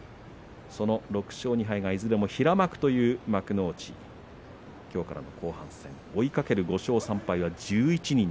その６勝２敗がいずれも平幕という幕内きょうからの後半戦追いかける５勝３敗は１１人。